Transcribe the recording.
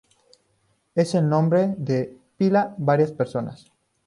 Es el nombre de pila varias personas.